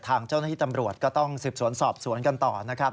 ทางเจ้าหน้าที่ตำรวจก็ต้องสืบสวนสอบสวนกันต่อนะครับ